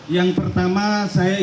yang pertama saya ingin